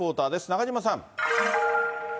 中島さん。